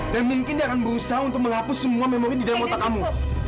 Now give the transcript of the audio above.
dan mungkin dia akan berusaha untuk menghapus semua memori di dalam otak kamu